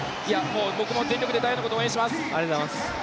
僕も全力で大也のこと応援します。